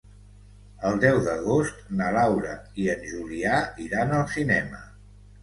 El deu d'agost na Laura i en Julià iran al cinema.